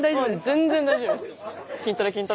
全然大丈夫です。